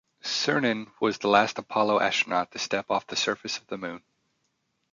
Cernan was the last Apollo astronaut to step off the surface of the Moon.